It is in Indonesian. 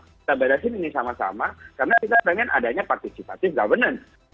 kita beresin ini sama sama karena kita pengen adanya participative governance